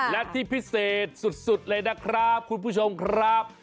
และที่พิเศษสุดเลยนะครับคุณผู้ชมครับ